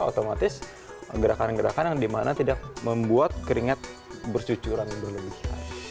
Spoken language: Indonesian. otomatis gerakan gerakan yang dimana tidak membuat keringat bercucuran berlebihan